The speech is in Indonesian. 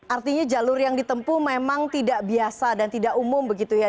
artinya jalur yang ditempuh memang tidak biasa dan tidak umum begitu ya